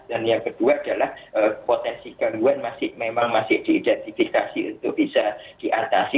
dan yang kedua adalah potensi keluargaan memang masih diidentifikasi untuk bisa diatasi